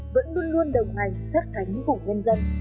vẫn luôn luôn đồng hành sát thánh của ngôn nhân dân